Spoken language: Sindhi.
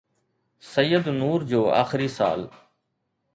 سيد نور جو آخري سال